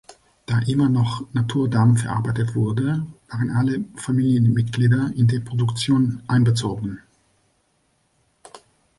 Da immer noch Naturdarm verarbeitet wurde, waren alle Familienmitglieder in die Produktion einbezogen.